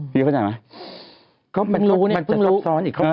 พี่เข้าใจไหม